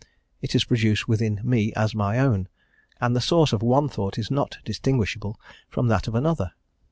it is produced within me as my own, and the source of one thought is not distinguishable from that of another.